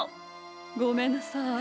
ごめんなさい。